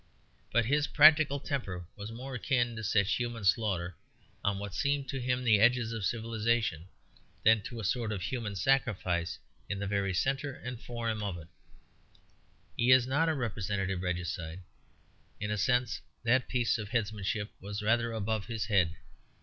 But his practical temper was more akin to such human slaughter on what seemed to him the edges of civilization, than to a sort of human sacrifice in the very centre and forum of it; he is not a representative regicide. In a sense that piece of headsmanship was rather above his head.